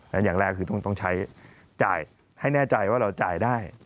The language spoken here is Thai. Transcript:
และอย่างแรกคือต้องใช้จ่ายให้แน่ใจว่าเราจ่ายได้